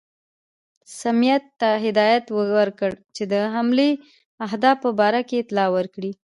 سمیت ته هدایت ورکړ چې د حملې اهدافو په باره کې اطلاع ورکړي.